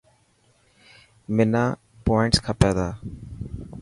منا پووانٽس کپي تا.